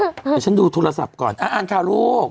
เดี๋ยวฉันดูโทรศัพท์ก่อนอ่านข่าวลูก